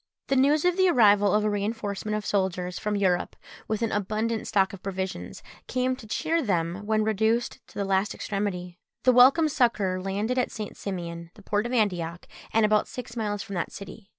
The news of the arrival of a reinforcement of soldiers from Europe, with an abundant stock of provisions, came to cheer them when reduced to the last extremity. The welcome succour landed at St. Simeon, the port of Antioch, and about six miles from that city.